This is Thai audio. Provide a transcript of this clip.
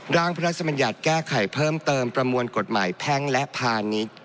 ร่างพระราชมัญญัติแก้ไขเพิ่มเติมประมวลกฎหมายแพ่งและพาณิชย์